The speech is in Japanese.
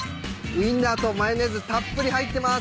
ウインナーとマヨネーズたっぷり入ってます。